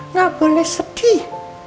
nggak boleh sedih